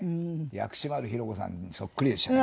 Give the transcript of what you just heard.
薬師丸ひろ子さんにそっくりでしたよね。